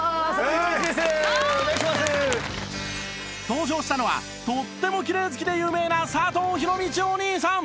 登場したのはとってもきれい好きで有名な佐藤弘道お兄さん